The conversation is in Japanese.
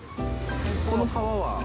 この川は？